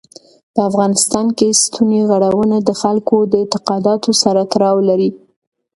په افغانستان کې ستوني غرونه د خلکو د اعتقاداتو سره تړاو لري.